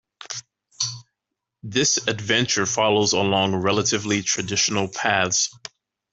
This adventure follows along relatively traditional paths.